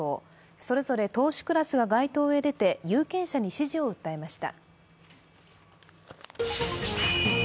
それぞれ党首クラスが街頭へ出て有権者へ支持を訴えました。